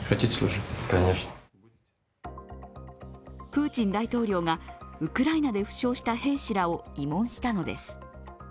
プーチン大統領がウクライナで負傷した兵士らを慰問したのです。